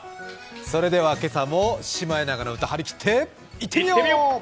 それでは今朝も「シマエナガの歌」張り切っていってみよう！